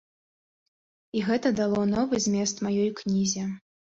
І гэта дало новы змест маёй кнізе.